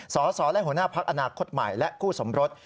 สสและหัวหน้าพักอนาคตใหม่และคู่สมรส